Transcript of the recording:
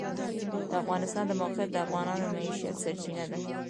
د افغانستان د موقعیت د افغانانو د معیشت سرچینه ده.